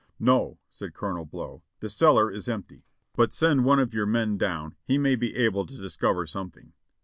"No," said Colonel Blow, "the cellar is empty; but send one of your men down, he may be able to discover something."